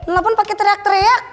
lu pun pakai teriak teriak